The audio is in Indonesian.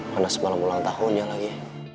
mana semalam ulang tahunnya lagi